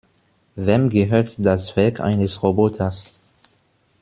Wem gehört das Werk eines Roboters?